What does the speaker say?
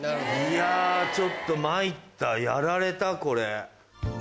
いやちょっと参ったやられたこれ。